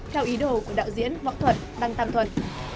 theo ý đồ của đạo diễn võ thuật đăng tam thuận